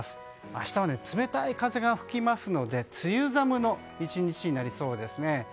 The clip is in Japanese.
明日は冷たい風が吹きますので梅雨寒の１日になりそうですね。